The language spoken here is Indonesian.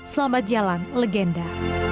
selamat jalan legenda